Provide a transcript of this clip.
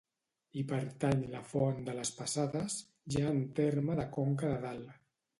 Hi pertany la Font de les Passades, ja en terme de Conca de Dalt.